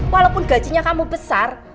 walaupun gajinya kamu besar